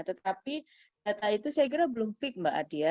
tetapi data itu saya kira belum fit mbak adia